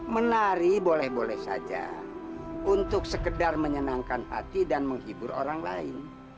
menari boleh boleh saja untuk sekedar menyenangkan hati dan menghibur orang lain